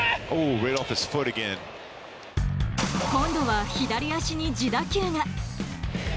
今度は左足に自打球が。